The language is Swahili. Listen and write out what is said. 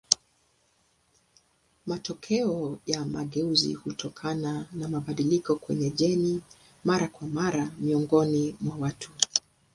Matokeo ya mageuzi hutokana na mabadiliko kwa jeni mara kwa mara miongoni mwa watu.